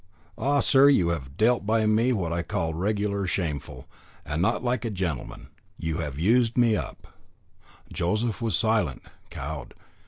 Ah, sir! you have dealt by me what I call regular shameful, and not like a gentleman. You have used me up." Joseph was silent, cowed.